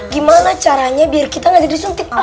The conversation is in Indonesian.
karena caranya biar kita gak jadi suntik